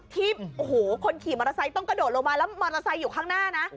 ที่โอ้โหคนขี่มอเตอร์ไซค์ต้องกระโดดลงมาแล้วมอเตอร์ไซค์อยู่ข้างหน้านะ